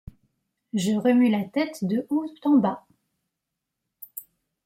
Je remuai la tête de haut en bas.